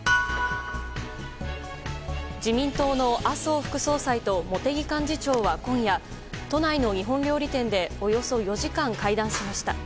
自民党の麻生副総裁と茂木幹事長は今夜都内の日本料理店でおよそ４時間会談しました。